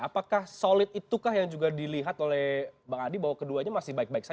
apakah solid itukah yang juga dilihat oleh bang adi bahwa keduanya masih baik baik saja